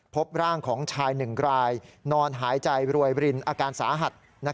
พบร่างของชายหนึ่งรายนอนหายใจรวยบรินอาการสาหัส